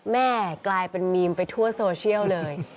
แม่กลายเป็นมีมไปทั่วโซเชียลเลย